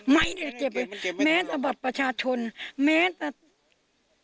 ไม่ได้เจ็บแม้แต่บัตรประชาชนแม้แต่